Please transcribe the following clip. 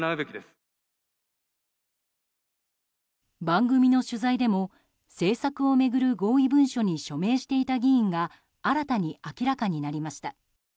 番組の取材でも、政策を巡る合意文書に署名していた議員が新たに明らかになりました。